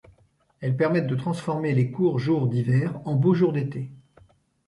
Elles permettent de transformer les courts jours d'hiver en beaux jours d'été.